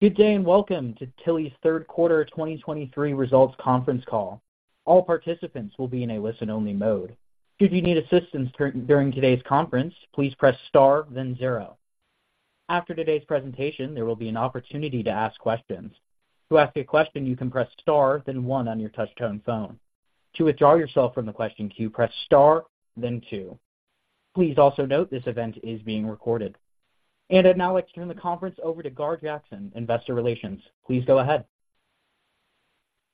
Good day, and welcome to Tilly's Q3 2023 results conference call. All participants will be in a listen-only mode. Should you need assistance during today's conference, please press Star, then zero. After today's presentation, there will be an opportunity to ask questions. To ask a question, you can press Star, then one on your touchtone phone. To withdraw yourself from the question queue, press Star, then two. Please also note this event is being recorded. I'd now like to turn the conference over to Gar Jackson, Investor Relations. Please go ahead.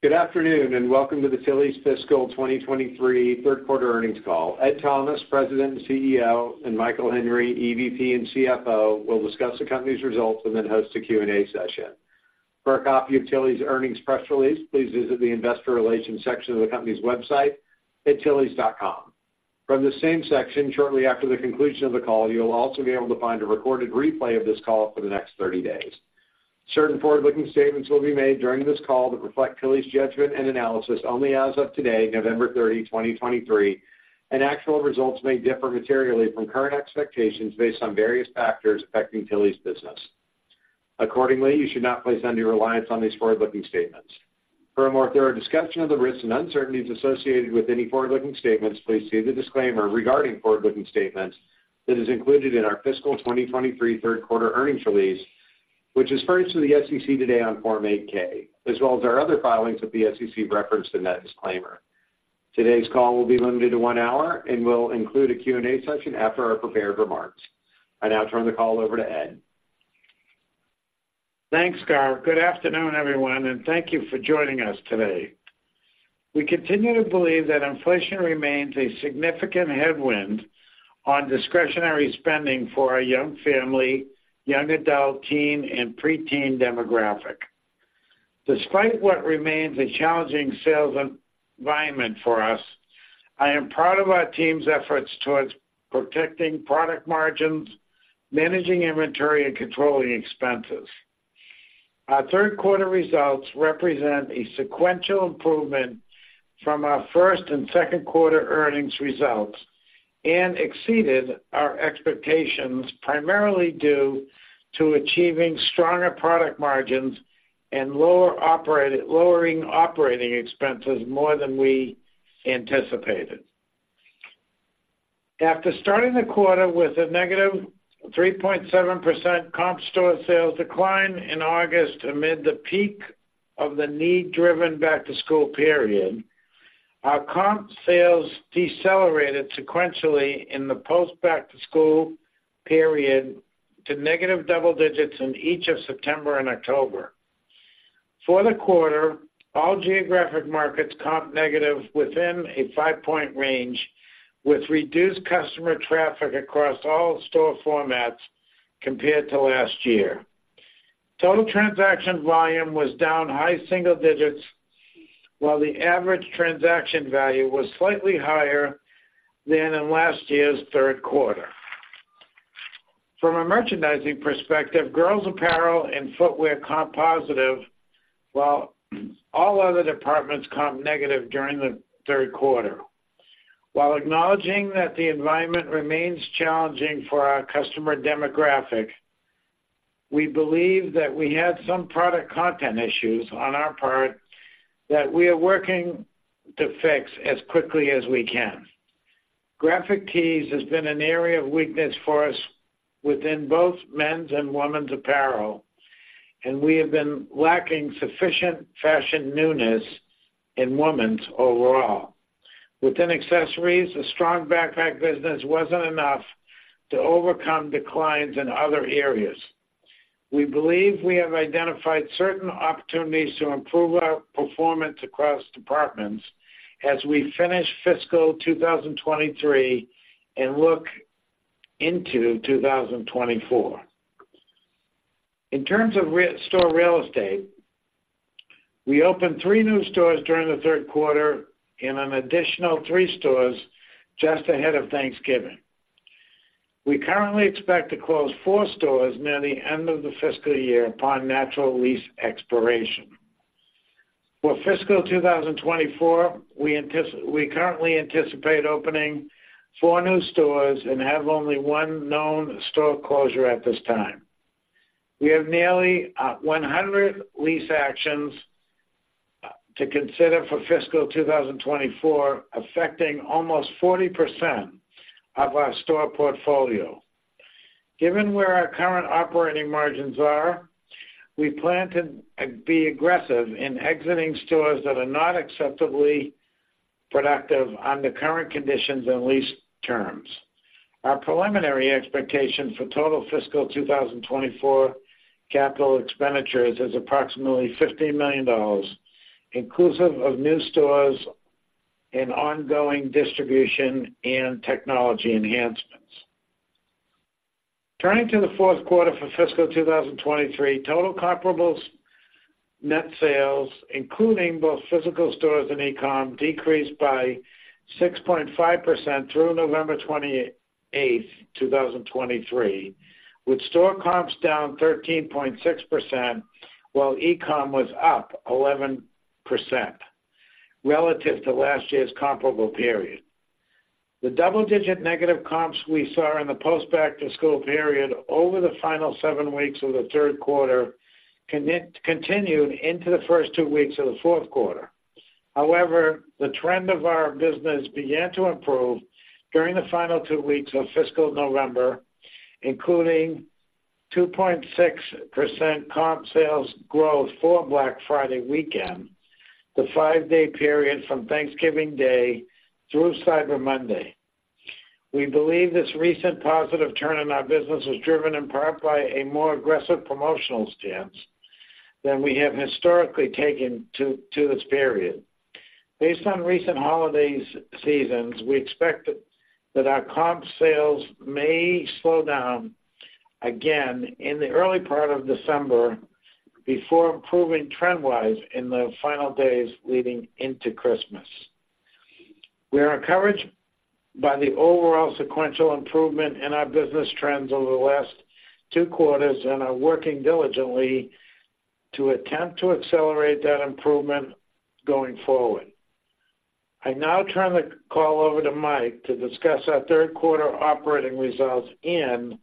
Good afternoon, and welcome to the Tilly's fiscal 2023 Q3 earnings call. Ed Thomas, President and CEO, and Michael Henry, EVP and CFO, will discuss the company's results and then host a Q&A session. For a copy of Tilly's earnings press release, please visit the investor relations section of the company's website at tillys.com. From the same section, shortly after the conclusion of the call, you'll also be able to find a recorded replay of this call for the next 30 days. Certain forward-looking statements will be made during this call that reflect Tilly's judgment and analysis only as of today, November 30, 2023, and actual results may differ materially from current expectations based on various factors affecting Tilly's business. Accordingly, you should not place any reliance on these forward-looking statements. For a more thorough discussion of the risks and uncertainties associated with any forward-looking statements, please see the disclaimer regarding forward-looking statements that is included in our fiscal 2023 Q3 earnings release, which was filed with the SEC today on Form 8-K, as well as our other filings with the SEC referenced in that disclaimer. Today's call will be limited to one hour and will include a Q&A session after our prepared remarks. I now turn the call over to Ed. Thanks, Gar. Good afternoon, everyone, and thank you for joining us today. We continue to believe that inflation remains a significant headwind on discretionary spending for our young family, young adult, teen, and pre-teen demographic. Despite what remains a challenging sales environment for us, I am proud of our team's efforts towards protecting product margins, managing inventory, and controlling expenses. Our Q3 results represent a sequential improvement from our first and Q2 earnings results and exceeded our expectations, primarily due to achieving stronger product margins and lowering operating expenses more than we anticipated. After starting the quarter with a negative 3.7% comp store sales decline in August amid the peak of the need-driven back-to-school period, our comp sales decelerated sequentially in the post-back-to-school period to negative double digits in each of September and October. For the quarter, all geographic markets comped negative within a 5-point range, with reduced customer traffic across all store formats compared to last year. Total transaction volume was down high single digits, while the average transaction value was slightly higher than in last year's Q3. From a merchandising perspective, girls' apparel and footwear comp positive, while all other departments comp negative during the Q3. While acknowledging that the environment remains challenging for our customer demographic, we believe that we had some product content issues on our part that we are working to fix as quickly as we can. Graphic tees has been an area of weakness for us within both men's and women's apparel, and we have been lacking sufficient fashion newness in women's overall. Within accessories, a strong backpack business wasn't enough to overcome declines in other areas. We believe we have identified certain opportunities to improve our performance across departments as we finish fiscal 2023 and look into 2024. In terms of store real estate, we opened three new stores during the Q3 and an additional three stores just ahead of Thanksgiving. We currently expect to close four stores near the end of the fiscal year upon natural lease expiration. For fiscal 2024, we currently anticipate opening four new stores and have only one known store closure at this time. We have nearly 100 lease actions to consider for fiscal 2024, affecting almost 40% of our store portfolio. Given where our current operating margins are, we plan to be aggressive in exiting stores that are not acceptably productive under current conditions and lease terms. Our preliminary expectation for total fiscal 2024 capital expenditures is approximately $50 million, inclusive of new stores and ongoing distribution and technology enhancements. Turning to the Q4 for fiscal 2023, total comparables net sales, including both physical stores and e-com, decreased by 6.5% through November 28, 2023, with store comps down 13.6%, while e-com was up 11% relative to last year's comparable period. The double-digit negative comps we saw in the post-back-to-school period over the final seven weeks of the Q3 continued into the first two weeks of the Q4. However, the trend of our business began to improve during the final two weeks of fiscal November, including 2.6% comp sales growth for Black Friday weekend, the five-day period from Thanksgiving Day through Cyber Monday. We believe this recent positive turn in our business was driven in part by a more aggressive promotional stance than we have historically taken to this period. Based on recent holiday seasons, we expect that our comp sales may slow down again in the early part of December before improving trend-wise in the final days leading into Christmas. We are encouraged by the overall sequential improvement in our business trends over the last two quarters and are working diligently to attempt to accelerate that improvement going forward. I now turn the call over to Mike to discuss our Q3 operating results and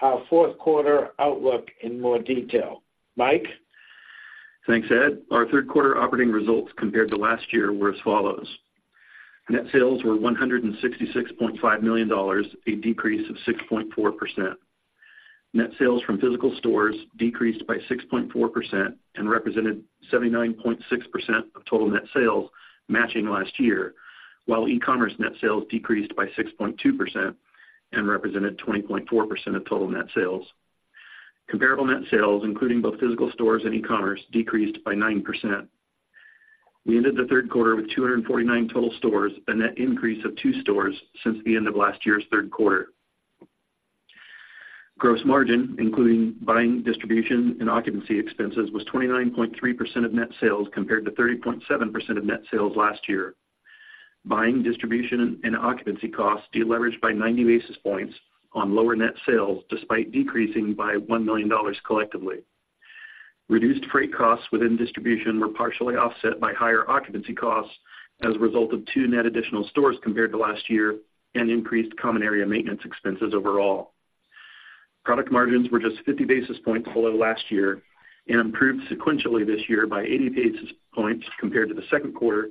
our Q4 outlook in more detail. Mike? Thanks, Ed. Our Q3 operating results compared to last year were as follows: Net sales were $166.5 million, a decrease of 6.4%. Net sales from physical stores decreased by 6.4% and represented 79.6% of total net sales, matching last year, while e-commerce net sales decreased by 6.2% and represented 20.4% of total net sales. Comparable net sales, including both physical stores and e-commerce, decreased by 9%. We ended the Q3 with 249 total stores, a net increase of 2 stores since the end of last year's Q3. Gross margin, including buying, distribution, and occupancy expenses, was 29.3% of net sales, compared to 30.7% of net sales last year. Buying, distribution, and occupancy costs deleveraged by 90 basis points on lower net sales, despite decreasing by $1 million collectively. Reduced freight costs within distribution were partially offset by higher occupancy costs as a result of two net additional stores compared to last year and increased common area maintenance expenses overall. Product margins were just 50 basis points below last year and improved sequentially this year by 80 basis points compared to the Q2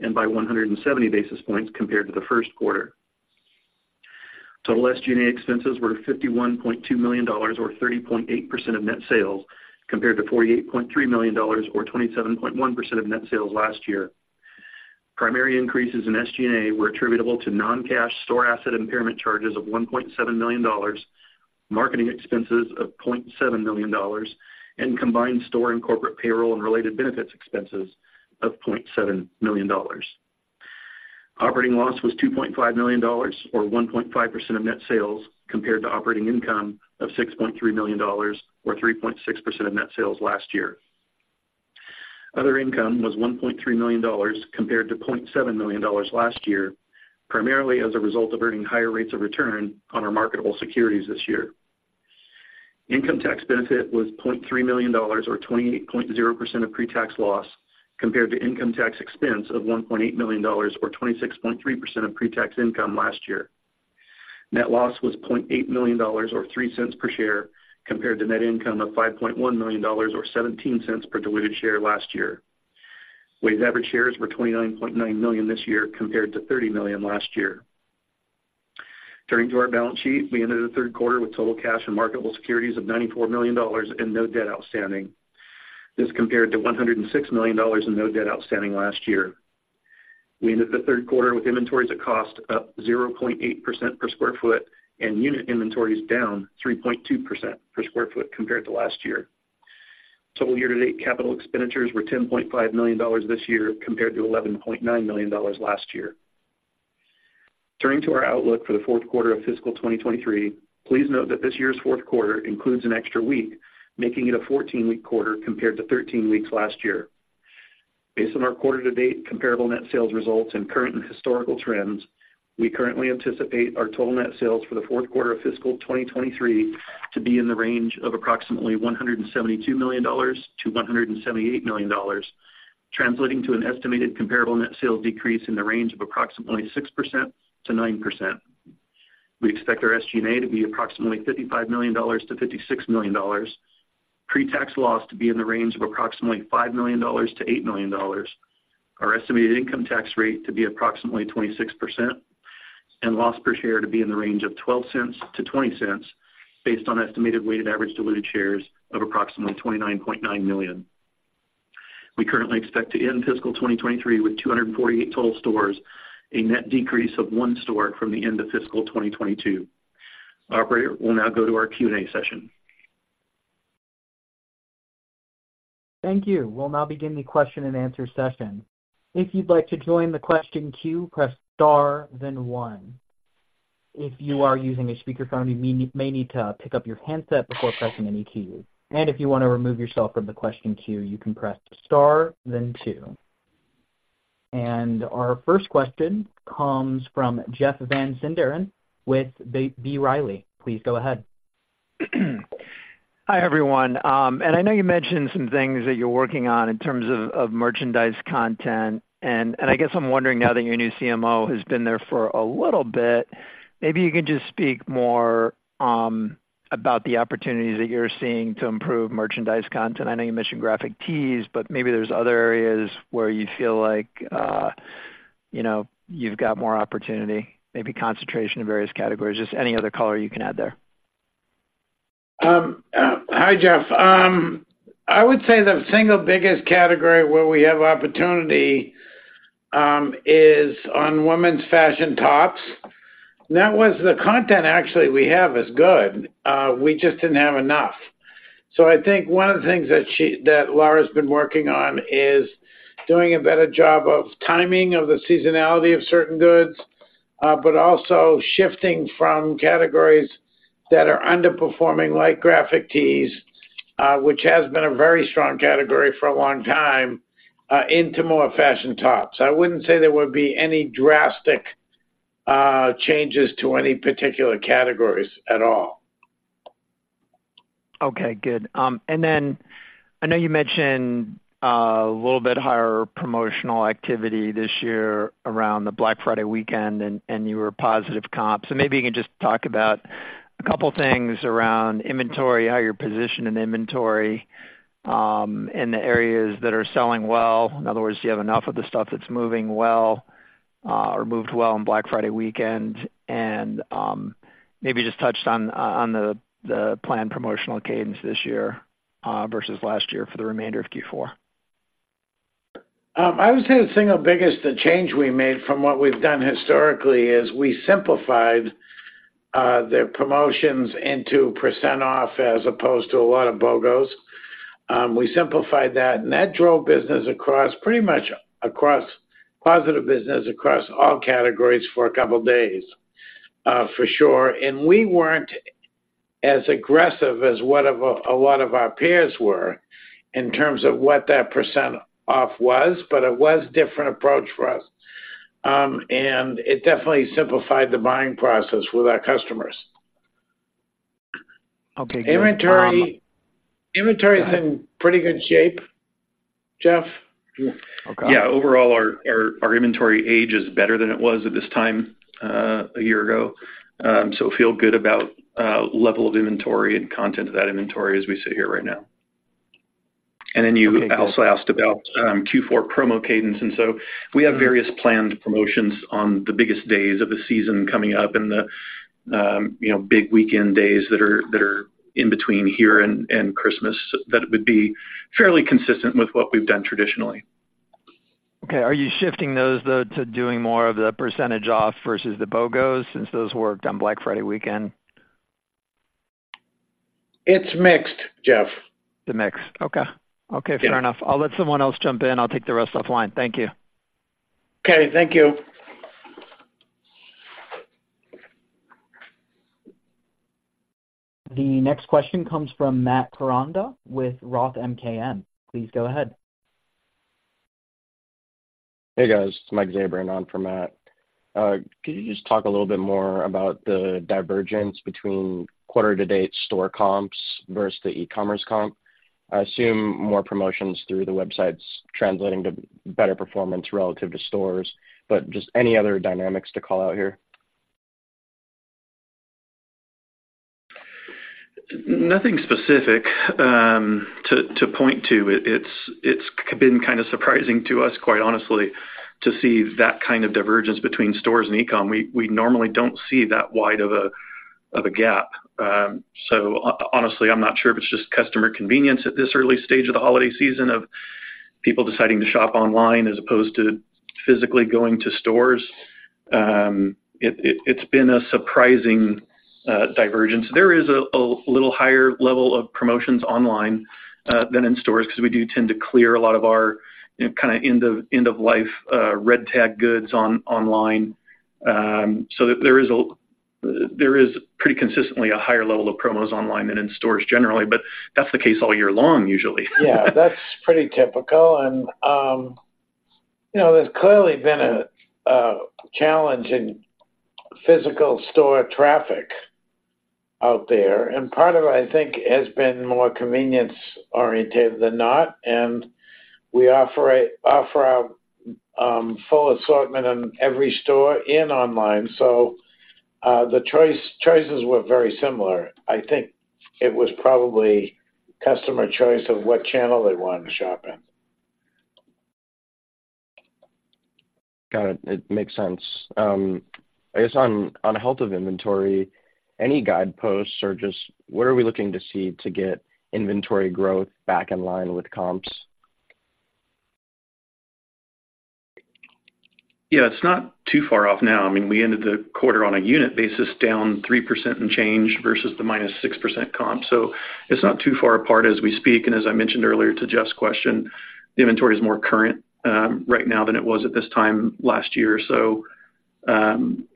and by 170 basis points compared to the Q1. Total SG&A expenses were $51.2 million, or 30.8% of net sales, compared to $48.3 million or 27.1% of net sales last year. Primary increases in SG&A were attributable to non-cash store asset impairment charges of $1.7 million, marketing expenses of $0.7 million, and combined store and corporate payroll and related benefits expenses of $0.7 million. Operating loss was $2.5 million, or 1.5% of net sales, compared to operating income of $6.3 million, or 3.6% of net sales last year. Other income was $1.3 million, compared to $0.7 million last year, primarily as a result of earning higher rates of return on our marketable securities this year. Income tax benefit was $0.3 million, or 20.0% of pre-tax loss, compared to income tax expense of $1.8 million, or 26.3% of pre-tax income last year. Net loss was $0.8 million, or $0.03 per share, compared to net income of $5.1 million or $0.17 per diluted share last year. Weighted average shares were 29.9 million this year, compared to 30 million last year. Turning to our balance sheet, we ended the Q3 with total cash and marketable securities of $94 million and no debt outstanding. This compared to $106 million and no debt outstanding last year. We ended the Q3 with inventories at cost up 0.8% per sq ft and unit inventories down 3.2% per sq ft compared to last year. Total year-to-date capital expenditures were $10.5 million this year, compared to $11.9 million last year. Turning to our outlook for the Q4 of fiscal 2023, please note that this year's Q4 includes an extra week, making it a 14-week quarter compared to 13 weeks last year. Based on our quarter-to-date comparable net sales results and current and historical trends, we currently anticipate our total net sales for the Q4 of fiscal 2023 to be in the range of approximately $172 million-$178 million, translating to an estimated comparable net sales decrease in the range of approximately 6%-9%. We expect our SG&A to be approximately $55 million-$56 million, pre-tax loss to be in the range of approximately $5 million-$8 million, our estimated income tax rate to be approximately 26%, and loss per share to be in the range of $0.12-$0.20, based on estimated weighted average diluted shares of approximately 29.9 million. We currently expect to end fiscal 2023 with 248 total stores, a net decrease of 1 store from the end of fiscal 2022. Operator, we'll now go to our Q&A session. Thank you. We'll now begin the question-and-answer session. If you'd like to join the question queue, press star, then one. If you are using a speakerphone, you may need to pick up your handset before pressing any keys. If you want to remove yourself from the question queue, you can press star, then two. Our first question comes from Jeff Van Sinderen with the B. Riley. Please go ahead. Hi, everyone. I know you mentioned some things that you're working on in terms of merchandise content, and I guess I'm wondering now that your new CMO has been there for a little bit, maybe you can just speak more about the opportunities that you're seeing to improve merchandise content. I know you mentioned graphic tees, but maybe there's other areas where you feel like, you know, you've got more opportunity, maybe concentration in various categories. Just any other color you can add there. Hi, Jeff. I would say the single biggest category where we have opportunity is on women's fashion tops. And that was the content actually, we have is good, we just didn't have enough. So I think one of the things that Laura's been working on is doing a better job of timing of the seasonality of certain goods, but also shifting from categories that are underperforming, like graphic tees, which has been a very strong category for a long time, into more fashion tops. I wouldn't say there would be any drastic changes to any particular categories at all. Okay, good. And then I know you mentioned a little bit higher promotional activity this year around the Black Friday weekend, and you were positive comp. So maybe you can just talk about a couple things around inventory, how you're positioned in inventory, and the areas that are selling well. In other words, do you have enough of the stuff that's moving well, or moved well on Black Friday weekend? And maybe just touched on the planned promotional cadence this year versus last year for the remainder of Q4. I would say the single biggest change we made from what we've done historically is we simplified the promotions into percent off, as opposed to a lot of BOGOs. We simplified that, and that drove business across, pretty much across positive business across all categories for a couple days, for sure. We weren't as aggressive as a lot of our peers were in terms of what that percent off was, but it was different approach for us. It definitely simplified the buying process with our customers. Okay, good. Inventory, inventory is in pretty good shape, Jeff. Okay. Yeah. Overall, our inventory age is better than it was at this time a year ago. So feel good about level of inventory and content of that inventory as we sit here right now. Okay. And then you also asked about Q4 promo cadence, and so we have various planned promotions on the biggest days of the season coming up and the, you know, big weekend days that are in between here and Christmas, that would be fairly consistent with what we've done traditionally. Okay. Are you shifting those, though, to doing more of the percentage off versus the BOGOs, since those worked on Black Friday weekend? It's mixed, Jeff. The mix. Okay. Okay, fair enough. Yeah. I'll let someone else jump in. I'll take the rest offline. Thank you. Okay, thank you. The next question comes from Matt Koranda with Roth MKM. Please go ahead. Hey, guys, it's Mike Zabrin on for Matt. Could you just talk a little bit more about the divergence between quarter-to-date store comps versus the e-commerce comp? I assume more promotions through the website's translating to better performance relative to stores, but just any other dynamics to call out here? Nothing specific to point to. It's been kind of surprising to us, quite honestly, to see that kind of divergence between stores and e-com. We normally don't see that wide of a gap. So honestly, I'm not sure if it's just customer convenience at this early stage of the holiday season of people deciding to shop online as opposed to physically going to stores. It's been a surprising divergence. There is a little higher level of promotions online than in stores because we do tend to clear a lot of our, you know, kinda end of life red tag goods online. So there is pretty consistently a higher level of promos online than in stores generally, but that's the case all year long, usually. Yeah, that's pretty typical. You know, there's clearly been a challenge in physical store traffic out there, and part of it, I think, has been more convenience-oriented than not, and we offer our full assortment on every store and online. So, the choices were very similar. I think it was probably customer choice of what channel they want to shop in. Got it. It makes sense. I guess on health of inventory, any guideposts or just what are we looking to see to get inventory growth back in line with comps? Yeah, it's not too far off now. I mean, we ended the quarter on a unit basis, down 3% and change versus the -6% comp, so it's not too far apart as we speak. And as I mentioned earlier to Jeff's question, the inventory is more current right now than it was at this time last year. So,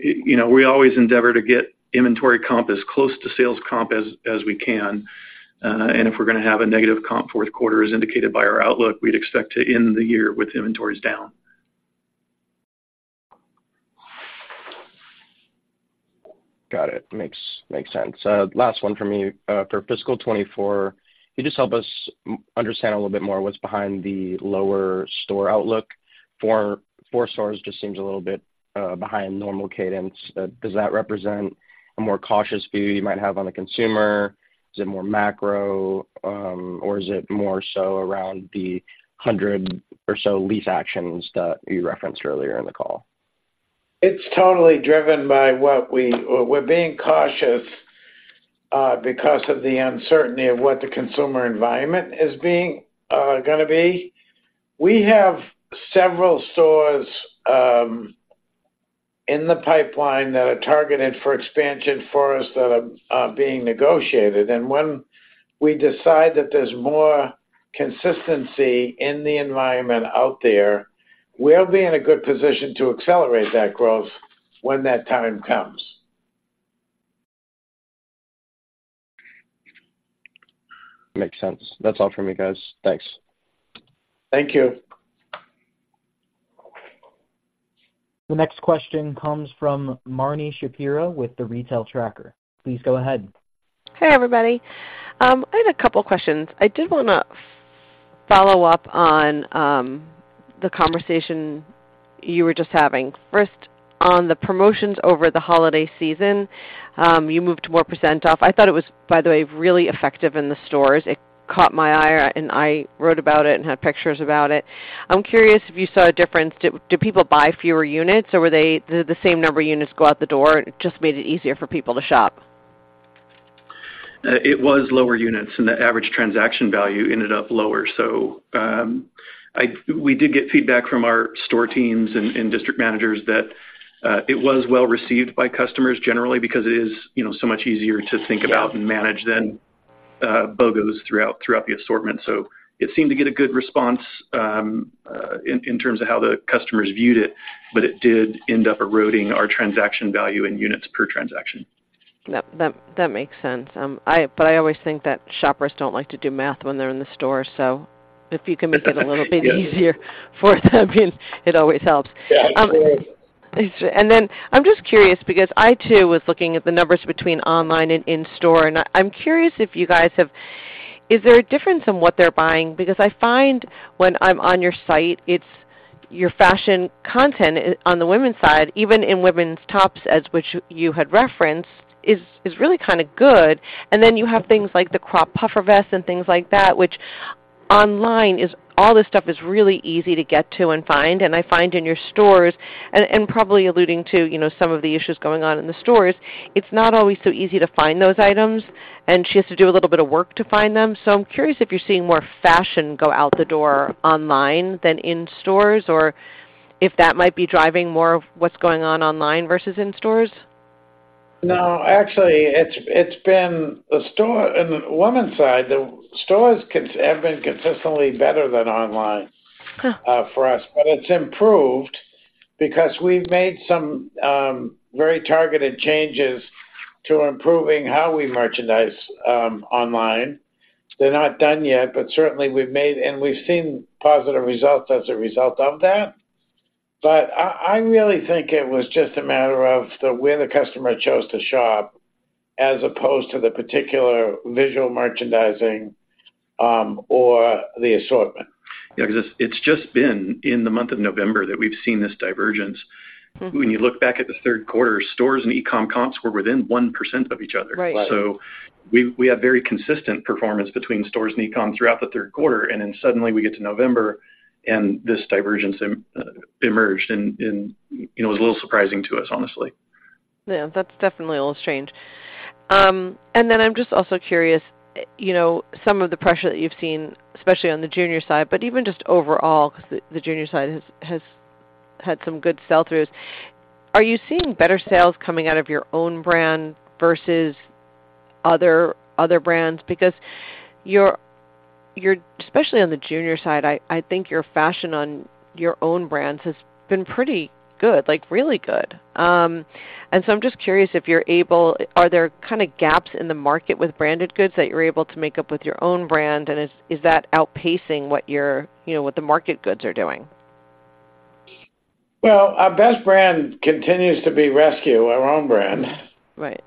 you know, we always endeavor to get inventory comp as close to sales comp as we can. And if we're gonna have a negative comp Q4, as indicated by our outlook, we'd expect to end the year with inventories down. ... Got it. Makes sense. Last one for me. For fiscal 2024, can you just help us understand a little bit more what's behind the lower store outlook? Four stores just seems a little bit behind normal cadence. Does that represent a more cautious view you might have on the consumer? Is it more macro, or is it more so around the 100 or so lease actions that you referenced earlier in the call? It's totally driven by what we're being cautious, because of the uncertainty of what the consumer environment is being gonna be. We have several stores in the pipeline that are targeted for expansion for us that are being negotiated. When we decide that there's more consistency in the environment out there, we'll be in a good position to accelerate that growth when that time comes. Makes sense. That's all for me, guys. Thanks. Thank you. The next question comes from Marni Shapiro with The Retail Tracker. Please go ahead. Hey, everybody. I had a couple questions. I did wanna follow up on the conversation you were just having. First, on the promotions over the holiday season, you moved to more percent off. I thought it was, by the way, really effective in the stores. It caught my eye, and I wrote about it and had pictures about it. I'm curious if you saw a difference. Did people buy fewer units, or were they the same number of units go out the door, and it just made it easier for people to shop? It was lower units, and the average transaction value ended up lower. So, we did get feedback from our store teams and district managers that it was well received by customers generally because it is, you know, so much easier to think about and manage than BOGOs throughout the assortment. So it seemed to get a good response in terms of how the customers viewed it, but it did end up eroding our transaction value in units per transaction. That makes sense. But I always think that shoppers don't like to do math when they're in the store, so if you can make it a little bit easier for them, it always helps. Yeah, agreed. And then I'm just curious because I, too, was looking at the numbers between online and in-store, and I'm curious if you guys have... Is there a difference in what they're buying? Because I find when I'm on your site, it's your fashion content on the women's side, even in women's tops, as which you had referenced, is really kind of good. And then you have things like the crop puffer vest and things like that, which online, all this stuff is really easy to get to and find. And I find in your stores, and probably alluding to, you know, some of the issues going on in the stores, it's not always so easy to find those items, and she has to do a little bit of work to find them. I'm curious if you're seeing more fashion go out the door online than in stores, or if that might be driving more of what's going on online versus in stores? No, actually, it's been the stores, in the women's side, the stores consistently have been better than online- Huh! For us. But it's improved because we've made some very targeted changes to improving how we merchandise online. They're not done yet, but certainly, we've made, and we've seen positive results as a result of that. But I, I really think it was just a matter of the, where the customer chose to shop, as opposed to the particular visual merchandising, or the assortment. Yeah, 'cause it's, it's just been in the month of November that we've seen this divergence. Mm-hmm. When you look back at the Q3, stores and e-com comps were within 1% of each other. Right. Right. So we had very consistent performance between stores and e-com throughout the Q3, and then suddenly we get to November, and this divergence emerged. And you know, it was a little surprising to us, honestly. Yeah, that's definitely a little strange. And then I'm just also curious, you know, some of the pressure that you've seen, especially on the junior side, but even just overall, 'cause the junior side has had some good sell-throughs. Are you seeing better sales coming out of your own brand versus other brands? Because you're especially on the junior side, I think your fashion on your own brands has been pretty good, like, really good. And so I'm just curious if you're able... Are there kind of gaps in the market with branded goods that you're able to make up with your own brand, and is that outpacing what your, you know, what the market goods are doing? Well, our best brand continues to be RSQ, our own brand. Right.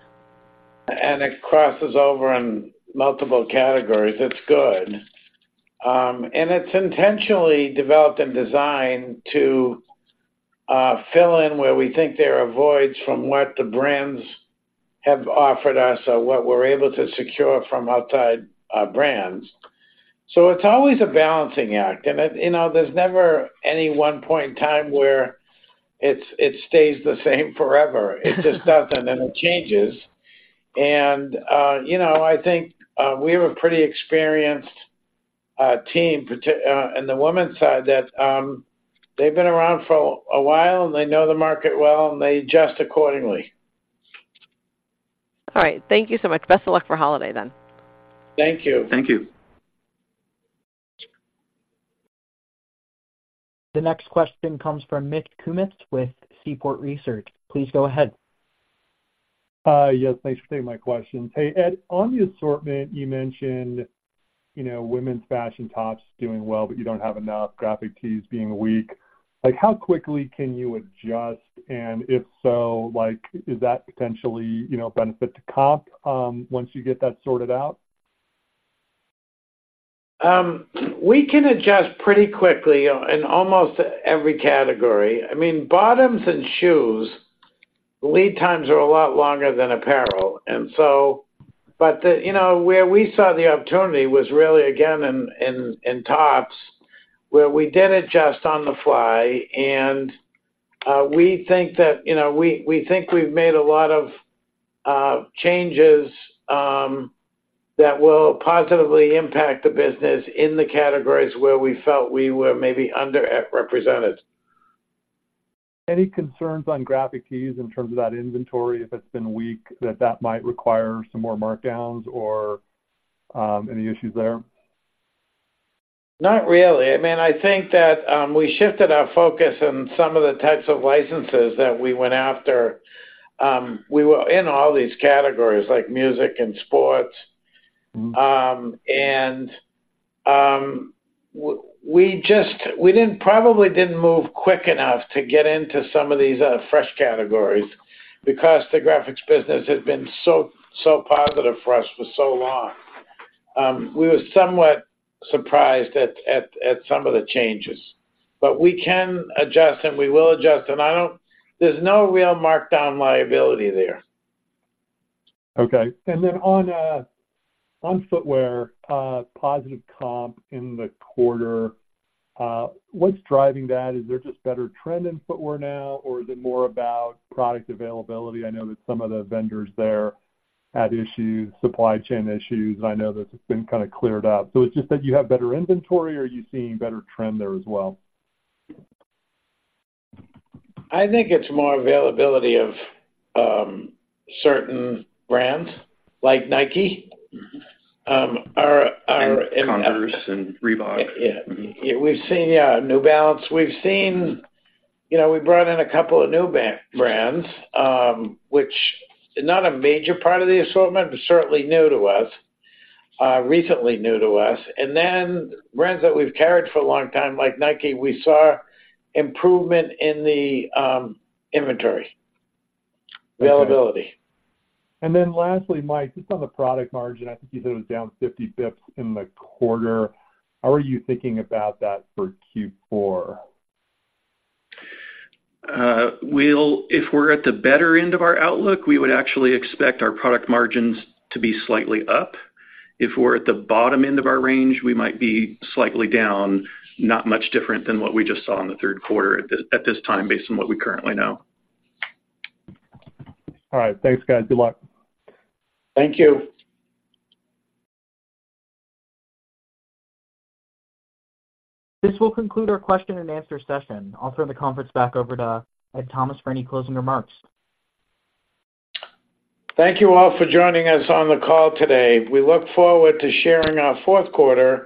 It crosses over in multiple categories. It's good. And it's intentionally developed and designed to fill in where we think there are voids from what the brands have offered us or what we're able to secure from outside brands. So it's always a balancing act, and it, you know, there's never any one point in time where it's, it stays the same forever. It just doesn't, and it changes. And you know, I think we have a pretty experienced team in the women's side, that they've been around for a while, and they know the market well, and they adjust accordingly. All right. Thank you so much. Best of luck for holiday, then. Thank you. Thank you. The next question comes from Mitch Kummetz with Seaport Research. Please go ahead.... yes, thanks for taking my questions. Hey, Ed, on the assortment, you mentioned, you know, women's fashion tops doing well, but you don't have enough, graphic tees being weak. Like, how quickly can you adjust? And if so, like, is that potentially, you know, a benefit to comp, once you get that sorted out? We can adjust pretty quickly in almost every category. I mean, bottoms and shoes, lead times are a lot longer than apparel, and so, but the, you know, where we saw the opportunity was really, again, in tops, where we did adjust on the fly. We think that, you know, we think we've made a lot of changes that will positively impact the business in the categories where we felt we were maybe underrepresented. Any concerns on graphic tees in terms of that inventory, if it's been weak, that that might require some more markdowns or, any issues there? Not really. I mean, I think that we shifted our focus on some of the types of licenses that we went after. We were in all these categories, like music and sports. And we just—we didn't, probably didn't move quick enough to get into some of these fresh categories because the graphics business had been so, so positive for us for so long. We were somewhat surprised at some of the changes, but we can adjust, and we will adjust, and I don't—there's no real markdown liability there. Okay. And then on footwear, positive comp in the quarter, what's driving that? Is there just better trend in footwear now, or is it more about product availability? I know that some of the vendors there had issues, supply chain issues, and I know that it's been kind of cleared up. So it's just that you have better inventory, or are you seeing better trend there as well? I think it's more availability of certain brands, like Nike. Our- Converse and Reebok. Yeah. We've seen, yeah, New Balance. We've seen... You know, we brought in a couple of new brands, which are not a major part of the assortment, but certainly new to us, recently new to us. And then brands that we've carried for a long time, like Nike, we saw improvement in the inventory- Okay. Availability. Lastly, Mike, just on the product margin, I think you said it was down 50 basis points in the quarter. How are you thinking about that for Q4? We'll, if we're at the better end of our outlook, we would actually expect our product margins to be slightly up. If we're at the bottom end of our range, we might be slightly down, not much different than what we just saw in the Q3 at this time, based on what we currently know. All right. Thanks, guys. Good luck. Thank you. This will conclude our question and answer session. I'll turn the conference back over to Ed Thomas for any closing remarks. Thank you all for joining us on the call today. We look forward to sharing our Q4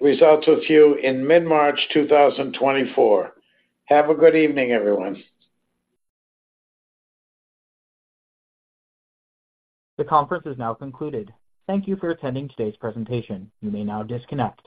results with you in mid-March 2024. Have a good evening, everyone. The conference is now concluded. Thank you for attending today's presentation. You may now disconnect.